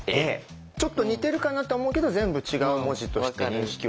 ちょっと似てるかなと思うけど全部違う文字として認識はできますよね。